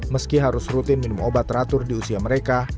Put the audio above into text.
meski harus rutin minum obat teratur di usia mereka